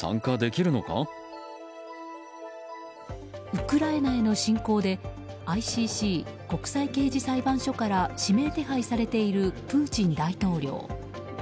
ウクライナへの侵攻でＩＣＣ・国際刑事裁判所から指名手配されているプーチン大統領。